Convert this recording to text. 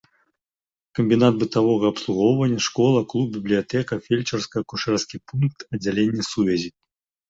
Камбінат бытавога абслугоўвання, школа, клуб, бібліятэка, фельчарска-акушэрскі пункт, аддзяленне сувязі.